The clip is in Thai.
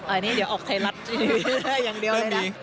อันนี้เดี๋ยวออกไทยรัฐทีวีได้อย่างเดียวเลยนะ